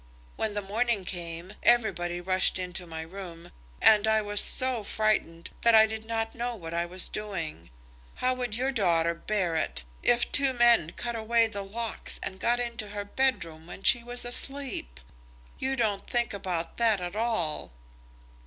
When the morning came, everybody rushed into my room, and I was so frightened that I did not know what I was doing. How would your daughter bear it, if two men cut away the locks and got into her bedroom when she was asleep? You don't think about that at all."